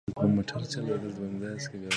مقالې تر دولس زره کلمو پورې رسیدلی شي.